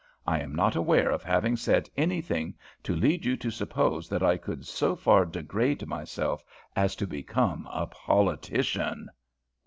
I am not aware of having said anything to lead you to suppose that I could so far degrade myself as to become a politician."